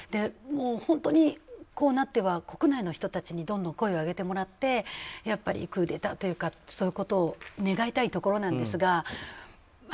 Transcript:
もう本当に、こうなっては国内の人たちにどんどん声を上げてもらってクーデターというかそういうことを願いたいところなんですが。